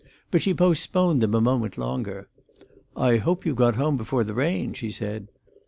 But she postponed them a moment longer. "I hope you got home before the rain," she said.